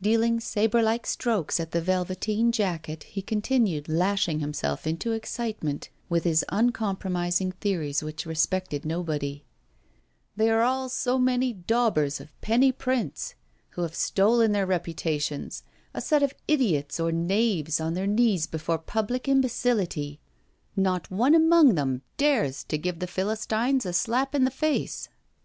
Dealing sabre like strokes at the velveteen jacket, he continued lashing himself into excitement with his uncompromising theories which respected nobody: 'They are all so many daubers of penny prints, who have stolen their reputations; a set of idiots or knaves on their knees before public imbecility! Not one among them dares to give the philistines a slap in the face.